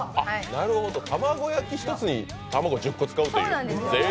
玉子焼き１つに卵１０個使うと。